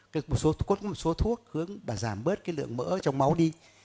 có một số thuốc hướng bà giảm bớt cái lượng mỡ trong máu đi